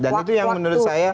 dan itu yang menurut saya